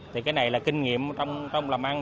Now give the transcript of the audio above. thì cái này là kinh nghiệm trong làm ăn